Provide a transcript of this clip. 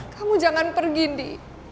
kamu jangan pergi ndi